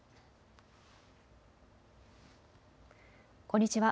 こんにちは。